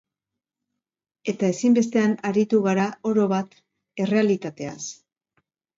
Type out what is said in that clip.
Eta ezinbestean aritu gara, orobat, errealitateaz.